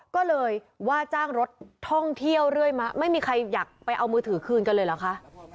ก็เลยว่าจ้างรถท่องเที่ยวเรื่อยมาไม่มีใครอยากไปเอามือถือคืนกันเลยเหรอคะ